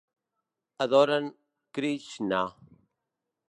Adoren Krishna.